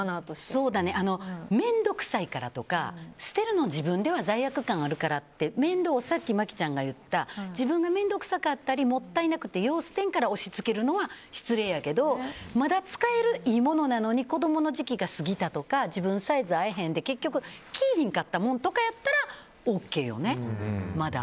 そうだね、面倒くさいからとか捨てるの自分では罪悪感あるからって面倒をさっき、麻貴ちゃんが言った自分が面倒くさかったりもったいなくて、よう捨てんから押し付けるのは失礼やけどまだ使えるいいものなのに子供の時期が過ぎたとか自分サイズ合わへんとか結局、着いへんかったものとかやったらＯＫよね、まだ。